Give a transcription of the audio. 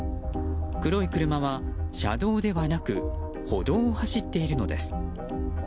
黒い車は車道ではなく歩道を走っているのです。